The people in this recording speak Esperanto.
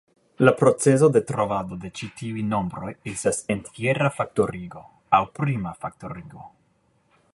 La procezo de trovado de ĉi tiuj nombroj estas entjera faktorigo, aŭ prima faktorigo.